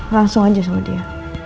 langsung aja sama dia